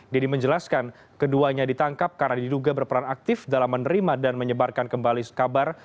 deddy menjelaskan keduanya ditangkap karena diduga berperan aktif dalam menerima dan menyebarkan kembali kabar